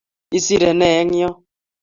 Isire ne eng' yo?